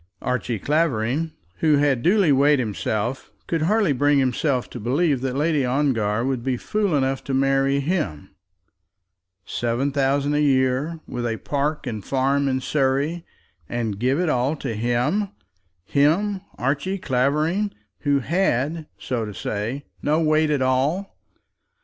Archie Clavering, who had duly weighed himself, could hardly bring himself to believe that Lady Ongar would be fool enough to marry him! Seven thousand a year, with a park and farm in Surrey, and give it all to him, him, Archie Clavering, who had, so to say, no weight at all!